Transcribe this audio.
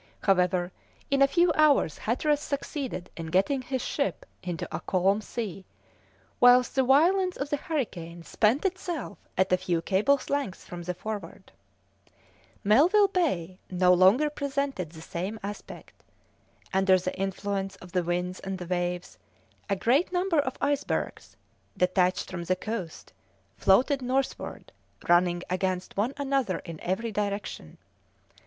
However, in a few hours Hatteras succeeded in getting his ship into a calm sea, whilst the violence of the hurricane spent itself at a few cables' length from the Forward. Melville Bay no longer presented the same aspect; under the influence of the winds and the waves a great number of icebergs, detached from the coast, floated northward, running against one another in every direction.